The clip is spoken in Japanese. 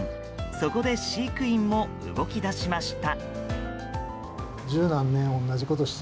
そこで飼育員も動き出しました。